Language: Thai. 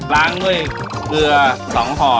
ล้างด้วยเกลือ๒ห่อ